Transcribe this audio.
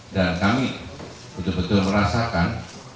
dan kami betul betul merasakan